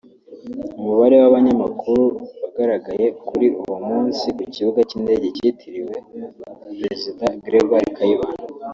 umubare w’abanyamakuru wagaragaye kuri uwo munsi ku kibuga cy’indege cyitiriwe Président Grégoire Kayibanda